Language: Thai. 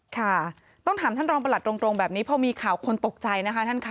ค่ะต้องถามท่านรองประหลัดตรงแบบนี้พอมีข่าวคนตกใจนะคะท่านค่ะ